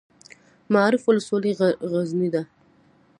معروف ولسوالۍ غرنۍ ده؟